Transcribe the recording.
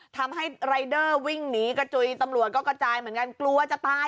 ทำให้รายเดอร์วิ่งหนีกระจุยตำรวจก็กระจายเหมือนกันกลัวจะตาย